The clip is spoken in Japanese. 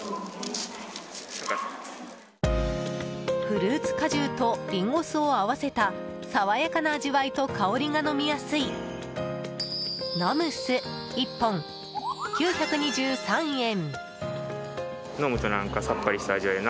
フルーツ果汁とリンゴ酢を合わせた爽やかな味わいと香りが飲みやすい飲む酢、１本９２３円。